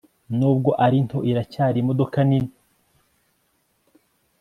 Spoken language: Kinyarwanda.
Nubwo ari nto iracyari imodoka nini